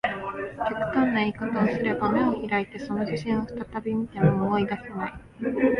極端な言い方をすれば、眼を開いてその写真を再び見ても、思い出せない